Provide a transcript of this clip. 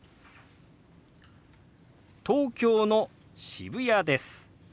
「東京の渋谷です」。